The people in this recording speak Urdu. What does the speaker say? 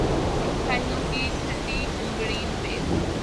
ان ساحلوں کی ٹھنڈی عنبرین ریت